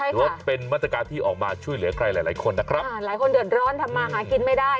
ถือว่าเป็นมาตรการที่ออกมาช่วยเหลือใครหลายหลายคนนะครับอ่าหลายคนเดือดร้อนทำมาหากินไม่ได้